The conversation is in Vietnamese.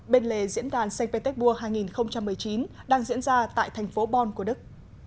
tại diễn đàn st petersburg hai nghìn một mươi chín đang diễn ra tại thành phố bonn của đức